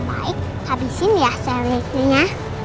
om baik habisin ya seri ini ya